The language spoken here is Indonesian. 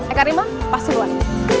eka rima pasuruan